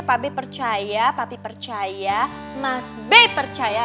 pak b percaya pak b percaya mas b percaya